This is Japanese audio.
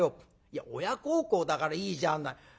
いや親孝行だからいいじゃない。